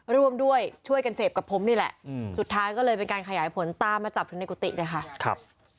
ร่วมด้วยช่วยกันเสพกับผมนี่แหละสุดท้ายก็เลยเป็นการขยายผลตามมาจับถึงในกุฏิเลยค่ะครับ